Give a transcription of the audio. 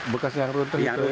bekas yang runtuh itu